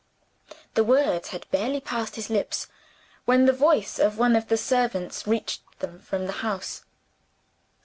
The words had barely passed his lips when the voice of one of the servants reached them from the house.